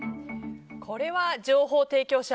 これは情報提供者